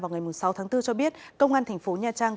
vào ngày sáu tháng bốn cho biết công an tp nha trang